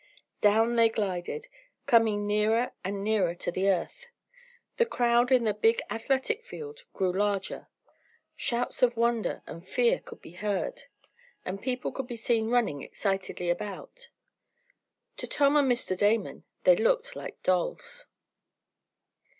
Down they glided, coming nearer and nearer to the earth. The crowd in the big athletic field grew larger. Shouts of wonder and fear could be heard, and people could be seen running excitedly about. To Tom and Mr. Damon they looked like dolls.